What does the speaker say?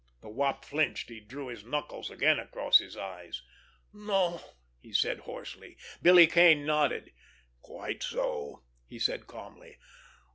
The Wop flinched. He drew his knuckles again across his eyes. "No," he said hoarsely. Billy Kane nodded. "Quite so!" he said calmly.